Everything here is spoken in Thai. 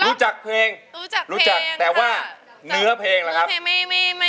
รู้จักเพลงรู้จักแต่ว่าเนื้อเพลงนะครับ